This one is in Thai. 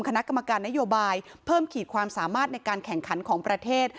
คณะกรรมการนโยบายเพิ่มขีดความสามารถในการแข่งขันของประเทศ